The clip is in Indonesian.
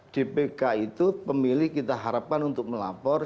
dpk itu pemilih kita harapkan untuk melapor